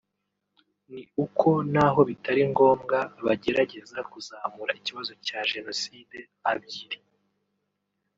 ni uko n’aho bitari ngombwa bagerageza kuzamura ikibazo cya Jenoside abyiri